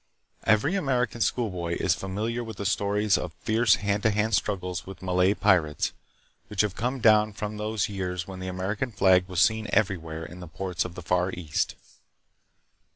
Every American schoolboy is familiar with the stories of fierce hand to hand struggles with Malay pirates, which have come down from those years when the American flag was seen everywhere in the ports of the Far East.